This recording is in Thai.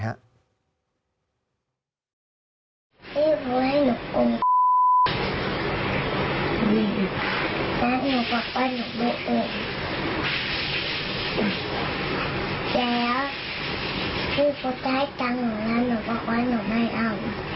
แล้วลูกสาวน้อยก็พูดว่าน้อยไม่เอา